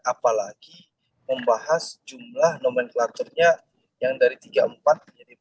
apalagi membahas jumlah nomenklaturnya yang dari tiga puluh empat menjadi empat puluh